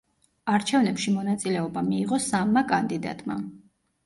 არჩევნებში მონაწილეობა მიიღო სამმა კანდიდატმა.